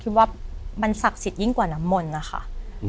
คิดว่ามันศักดิ์สิทธิ์ยิ่งกว่าน้ำมนต์อ่ะค่ะอืม